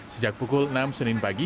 sejak pukul enam pagi